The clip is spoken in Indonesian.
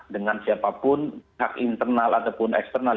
dengan siapapun hak internal ataupun eksternal